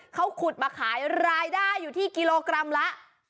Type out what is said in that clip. เขาขุดมาขายรายได้อยู่ที่กิโลกรัมละ